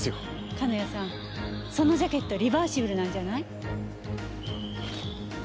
金谷さんそのジャケットリバーシブルなんじゃない？